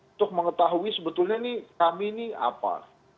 untuk mengetahui sebetulnya ini kami ini apa